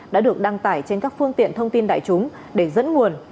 đã được đăng tải trên các phương tiện thông tin đại chúng để dẫn nguồn